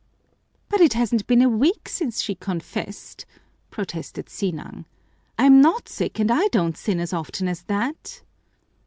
"But it hasn't been a week since she confessed!" protested Sinang. "I'm not sick and I don't sin as often as that."